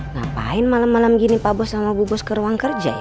ngapain malem malem gini pak bos sama bu bos ke ruang kerja ya